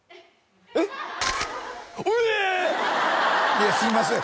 いやすいません